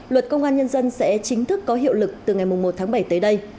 luật công an nhân dân sẽ chính thức có hiệu lực từ ngày một tháng bảy tới đây